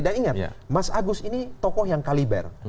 dan ingat mas agus ini tokoh yang kaliber